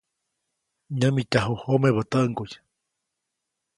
Nyämityaju jomebä täʼŋguy.